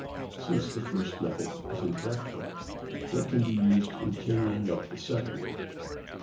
"Since the first method is impractical what can be used in carrying out the second?"